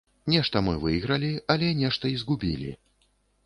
Нешта мы выйгралі, але нешта і згубілі.